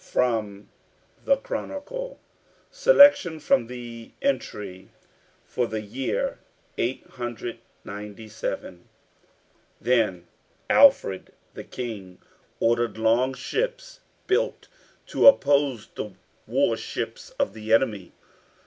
FROM THE 'CHRONICLE' Selection from the entry for the year 897 Then Alfred, the King, ordered long ships built to oppose the war ships of the enemy.